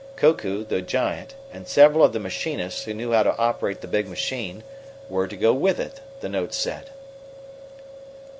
Koku, the giant, and several of the machinists, who knew how to operate the big machine, were to go with it, the note said.